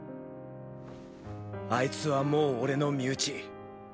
あいつはもう俺の身内。